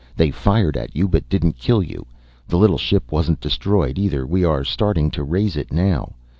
They fired at you but didn't kill you. The little ship wasn't destroyed either, we are starting to raise it now.